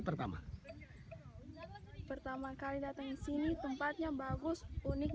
pertama kali datang ke sini tempatnya bagus unik